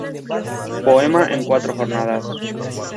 Poema en cuatro jornadas".